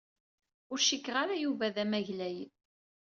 Ur cikkeɣ ara Yuba d amaglay.